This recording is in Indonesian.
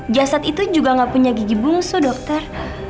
jasad itu juga gak punya gigi bungsu dokter